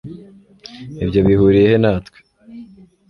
Ibyo bihuriye he natwe